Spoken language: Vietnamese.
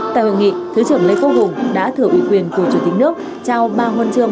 tại huyện nghị thứ trưởng lê câu hùng đã thử ủy quyền của chủ tịch nước trao ba huân chương